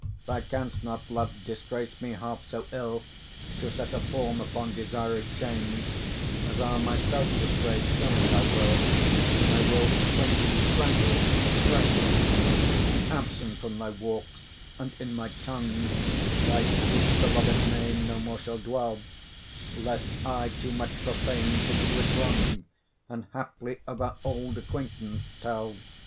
Thou canst not love disgrace me half so ill, To set a form upon desired change, As I'll myself disgrace; knowing thy will, I will acquaintance strangle, and look strange; Be absent from thy walks; and in my tongue Thy sweet beloved name no more shall dwell, Lest I, too much profane, should do it wrong, And haply of our old acquaintance tell.